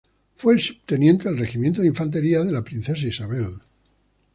Fue subteniente del Regimiento de Infantería de la Princesa Isabel.